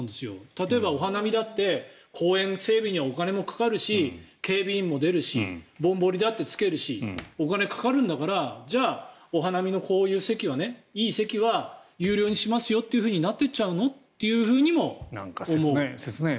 例えば、お花見だって公園整備にはお金もかかるし警備員も出るしぼんぼりだってつけるしお金がかかるんだからじゃあ、お花見の、いい席は有料にしますよとなっていっちゃうの？とも思う。